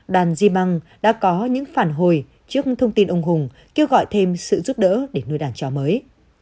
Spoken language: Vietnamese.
đàn di măng đã có những phản hồi trước thông tin ông hùng kêu gọi thêm sự giúp đỡ để nuôi đàn chó mới